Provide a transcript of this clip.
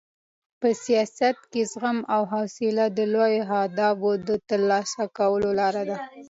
په سیاست کې زغم او حوصله د لویو اهدافو د ترلاسه کولو لار ده.